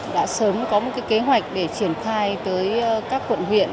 đã sớm có một kế hoạch để triển khai tới các quận huyện